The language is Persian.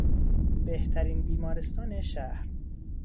بهترین بیمارستان شهر